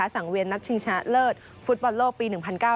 สังเวียนนัดชิงชนะเลิศฟุตบอลโลกปี๑๙